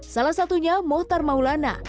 salah satunya mohtar maulana